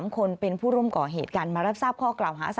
๓คนเป็นผู้ร่วมก่อเหตุกันมารับทราบข้อกล่าวหา